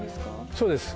そうです。